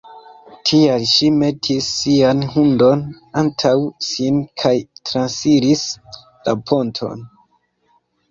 Tial ŝi metis sian hundon antaŭ sin kaj transiris la ponton.